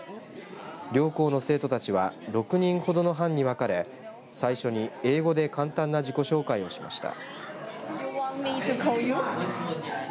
両校の生徒たちは６人ほどの班にわかれ最初に英語で簡単な自己紹介をしました。